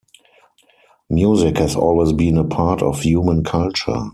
Music has always been a part of human culture.